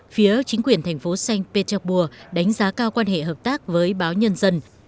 phía chính quyền thành phố sành pê tec pua đánh giá cao quan hệ hợp tác với báo nhân dân